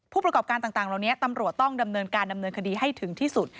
ผู้ประกอบการต่างเหล่านี้ตำรวจต้องดำเนินการดำเนินคดีให้ถึงที่สุด